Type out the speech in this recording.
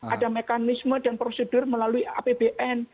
ada mekanisme dan prosedur melalui apbn